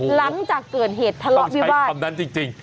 หลังจากเกิดเหตุทะเลาะวิวาใช้คำนั้นจริง